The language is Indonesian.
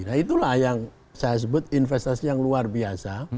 nah itulah yang saya sebut investasi yang luar biasa